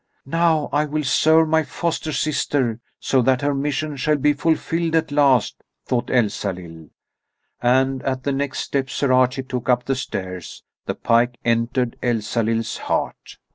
"Now I will serve my foster sister, so that her mission shall be fulfilled at last," thought Elsalill. And at the next step Sir Archie took up the stairs, the pike entered Elsalill's heart.